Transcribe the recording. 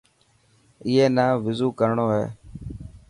اي نا وضو ڪرڻو هي.